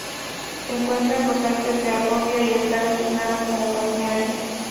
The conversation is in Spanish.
Se encuentra en los alpes de Algovia y está designada como balneario.